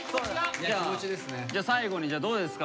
じゃあ最後にどうですか？